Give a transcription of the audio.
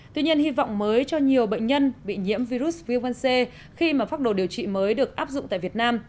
tuy nhiên hy vọng mới cho nhiều bệnh nhân bị nhiễm virus viêm gan c khi mà pháp đồ điều trị mới được áp dụng tại việt nam